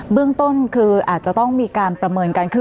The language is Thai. เรื่องต้นคืออาจจะต้องมีการประเมินกันคือ